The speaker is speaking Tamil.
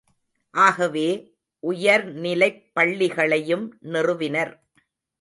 ஆகவே, உயர்நிலைப் பள்ளிகளையும் நிறுவினர்.